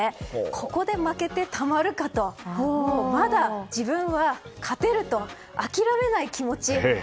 ここで負けてたまるかとまだ、自分は勝てると諦めない気持ちを。